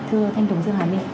thưa thanh đồng dương hà my